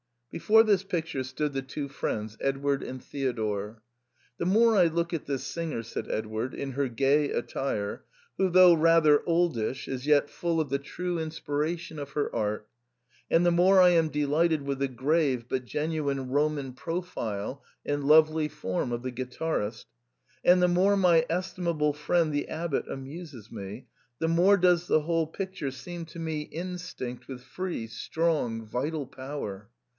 Before this picture stood the two friends Edward and Theodore. "The more I look at this singer," said Edward, " in her gay attire, who, though rather oldish, is yet full of the true inspiration of her art, and the more I am delighted with the grave but genuine Roman profile and lovely form of the guitarist, and the more my estimable friend the abbot amuses me, the more does the whole picture seem to me instinct with free, strong, vital power.